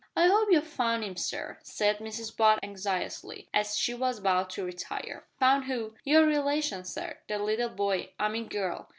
"I 'ope you've found 'im, sir," said Mrs Butt anxiously, as she was about to retire. "Found who?" "Your relation, sir; the little boy I mean gurl."